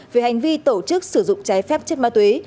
về hành vi tổ chức sử dụng trái phép chất ma túy